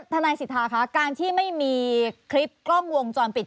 ทนายสิทธาคะการที่ไม่มีคลิปกล้องวงจรปิด